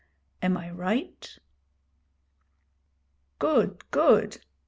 Am I right?' 'Good! good!'